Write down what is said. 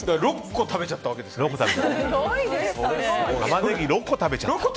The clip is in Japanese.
６個食べちゃったわけですから。